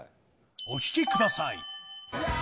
お聴きください。